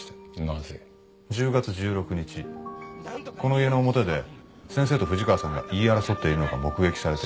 なぜ？１０月１６日この家の表で先生と藤川さんが言い争っているのが目撃されています。